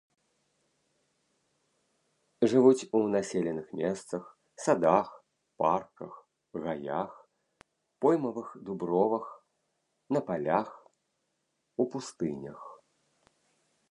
Жывуць у населеных месцах, садах, парках, гаях, поймавых дубровах, на палях, у пустынях.